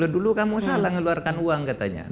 dulu kamu salah ngeluarkan uang katanya